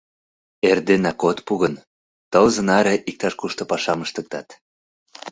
Эрденак от пу гын, тылзе наре иктаж-кушто пашам ыштыктат.